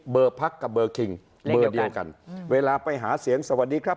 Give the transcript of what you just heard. พักกับเบอร์คิงเบอร์เดียวกันเวลาไปหาเสียงสวัสดีครับ